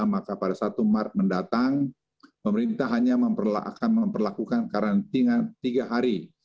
maka pada satu maret mendatang pemerintah hanya akan memperlakukan karantina tiga hari